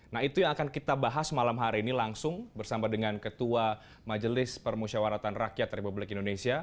nah itu yang akan kita bahas malam hari ini langsung bersama dengan ketua majelis permusyawaratan rakyat republik indonesia